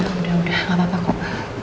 udah udah gak apa apa kok